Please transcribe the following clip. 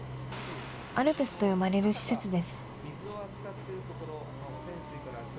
ＡＬＰＳと呼ばれる施設です。